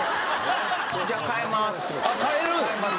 じゃあ変えまーす。